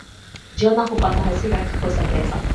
Jonna hupata hasira akikosa pesa